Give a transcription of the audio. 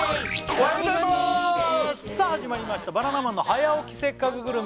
おはようございますおはようございますさあ始まりました「バナナマンの早起きせっかくグルメ！！」